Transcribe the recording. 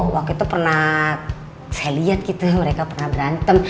waktu itu pernah saya lihat gitu ya mereka pernah berantem